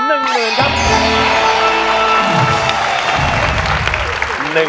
๑หมื่นครับคุณปู่